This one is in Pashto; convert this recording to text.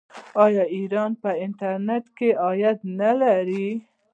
آیا ایران په ټرانزیټ کې عاید نلري؟